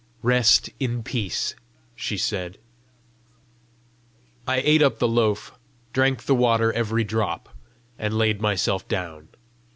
"Rest in peace," she said. I ate up the loaf, drank the water every drop, and laid myself down.